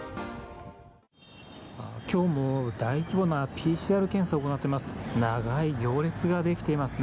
きょうも大規模なＰＣＲ検査を行っています。